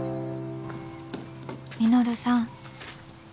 「稔さん。